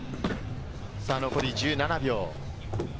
残り１７秒。